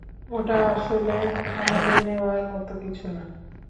ওটা আসলে আমলে নেওয়ার মতো কিছু না।